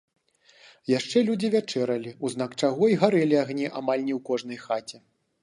Яшчэ людзі вячэралі, у знак чаго й гарэлі агні амаль не ў кожнай хаце.